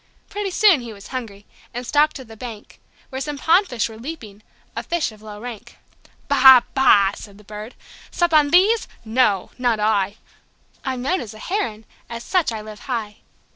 Pretty soon he was hungry, and stalked to the bank. Where some pondfish were leaping a fish of low rank. "Bah, Bah!" said the Bird. "Sup on these? No not I. I'm known as a Heron: as such I live high."